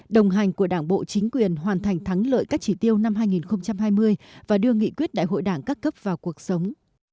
đồng hành của đảng bộ chính quyền hoàn thành thắng lợi các chỉ tiêu năm hai nghìn hai mươi và đưa nghị quyết đại hội đảng các cấp vào cuộc sống